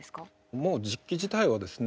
もう実機自体はですね